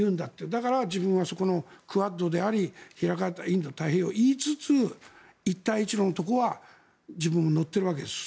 だから、自分はクアッドであり開かれたインド太平洋と言いつつ、一帯一路のところは自分も乗っているわけです。